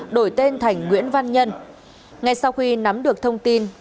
đổi tên thành nguyễn văn nhân